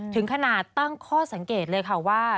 ถึงขนาดตั้งข้อสังเกตเลยค่ะว่า